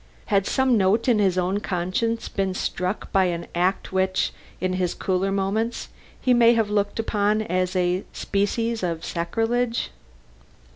Had some note in his own conscience been struck by an act which, in his cooler moments, he may have looked upon as a species of sacrilege?